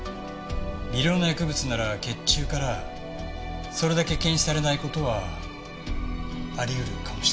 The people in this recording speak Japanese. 微量の薬物なら血中からそれだけ検出されない事はあり得るかもしれません。